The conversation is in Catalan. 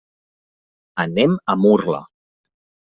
Anem a Murla.